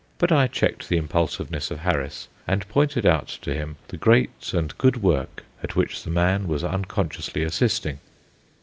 But I checked the impulsiveness of Harris, and pointed out to him the great and good work at which the man was unconsciously assisting.